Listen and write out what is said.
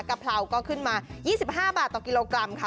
กะเพราก็ขึ้นมา๒๕บาทต่อกิโลกรัมค่ะ